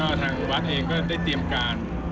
ทางวัดเองก็ได้เตรียมการ